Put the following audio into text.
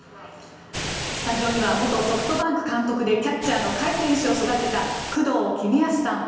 スタジオには元ソフトバンク監督でキャッチャーの甲斐選手を育てた工藤公康さん。